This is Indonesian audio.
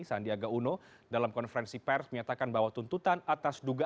sandiaga uno dalam konferensi pers menyatakan bahwa tuntutan atas dugaan